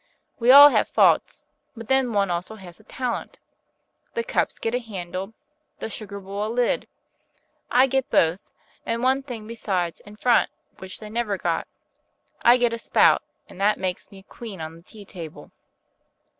We all have faults, but then one also has a talent. The cups get a handle, the sugar bowl a lid; I get both, and one thing besides in front which they never got, I get a spout, and that makes me a queen on the tea table.